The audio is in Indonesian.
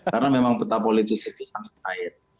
karena memang peta politik itu sangat cair